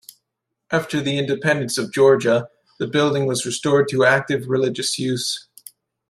After the independence of Georgia, the building was restored to active religious use.